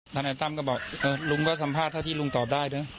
ทนายตั้มก็บอกเออลุงก็สำหรับถ้าที่ลุงตอบได้เนอะ